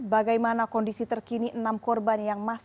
bagaimana kondisi terkini enam korban yang masih